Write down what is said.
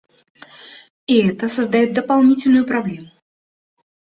И это создает дополнительную проблему.